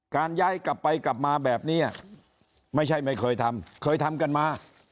ย้ายกลับไปกลับมาแบบนี้ไม่ใช่ไม่เคยทำเคยทำกันมา